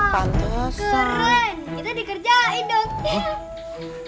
wah keren kita dikerjain dok